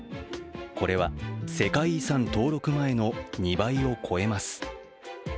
これは世界遺産登録前の２倍を超えます。